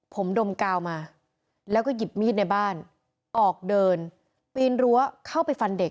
ผมดมกาวมาแล้วก็หยิบมีดในบ้านออกเดินปีนรั้วเข้าไปฟันเด็ก